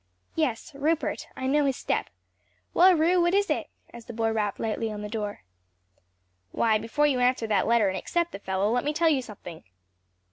"Yes; Rupert. I know his step. Well, Ru, what is it?" as the boy rapped lightly on the door. "Why before you answer that letter and accept the fellow, let me tell you something."